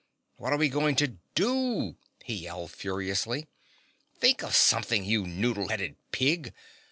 What are we going to do?" he yelled furiously. "Think of something, you noddle headed pig!